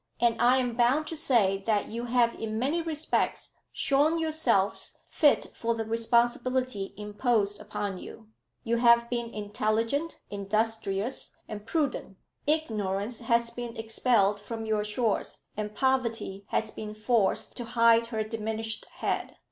And I am bound to say that you have in many respects shown yourselves fit for the responsibility imposed upon you. You have been intelligent, industrious, and prudent. Ignorance has been expelled from your shores, and poverty has been forced to hide her diminished head."